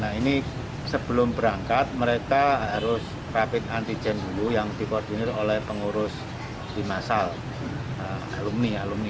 nah ini sebelum berangkat mereka harus rapid antigen dulu yang dikoordinir oleh pengurus di masal alumni alumni